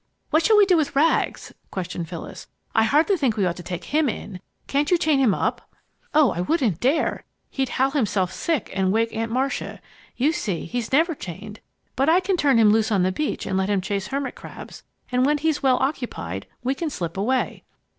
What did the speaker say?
"What shall we do with Rags?" questioned Phyllis. "I hardly think we ought to take him in. Can't you chain him up?" "Oh, I wouldn't dare! He'd howl himself sick and wake Aunt Marcia. You see, he's never chained. But I can turn him loose on the beach and let him chase hermit crabs, and when he's well occupied, we can slip away."